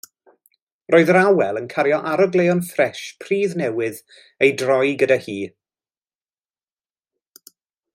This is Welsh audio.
Roedd yr awel yn cario arogleuon ffres pridd newydd ei droi gydag hi.